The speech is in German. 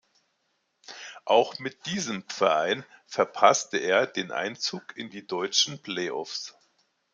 Auch mit diesem Verein verpasste er den Einzug in die deutschen Play-offs.